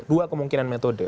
dua kemungkinan metode